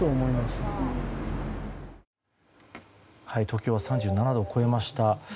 東京は３７度を超えました。